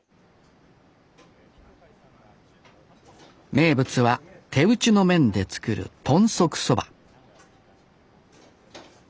名物は手打ちの麺で作る豚足そば